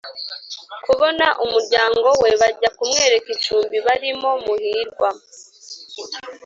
kubona umuryango we, bajya kumwereka icumbi barimo. muhirwa